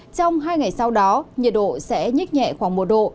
trong hai ngày sau đó nhiệt độ sẽ nhích nhẹ khoảng một độ